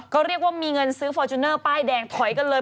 ก็เรียกว่ามีเงินซื้อฟอร์จูเนอร์ป้ายแดงถอยกันเลย